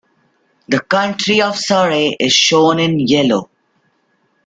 The county of Surrey is shown in yellow.